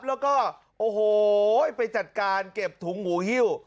แล้วก็โอ้โหไปจัดการเก็บถุงหมูฮิ้ว